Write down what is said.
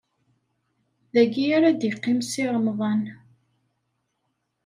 Dagi ar ad iqqim Si Remḍan.